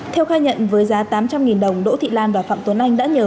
theo khai nhận với giá tám trăm linh đồng đỗ thị lan và phạm tuấn anh đã nhờ